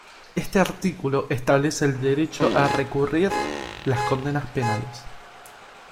Este artículo establece el derecho a recurrir las condenas penales.